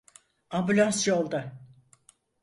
Ambulans yolda.